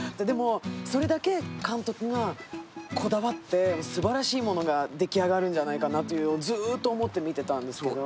それだけ監督がこだわってすばらしいものができあがるんじゃないかなってずっと思って見てたんですけど。